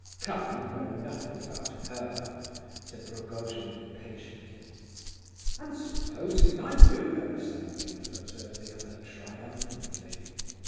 "Come, you know nothing about her," said Rogojin, impatiently. "And supposing I do know something?" observed the other, triumphantly.